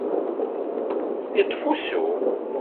Yeṭṭef usu.